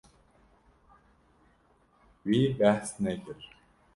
Wî behs kir.